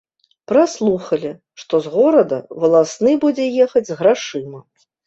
Праслухалі, што з горада валасны будзе ехаць з грашыма.